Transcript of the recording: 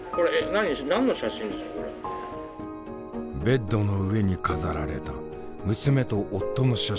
ベッドの上に飾られた娘と夫の写真。